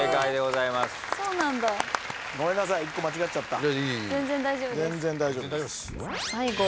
えっ！？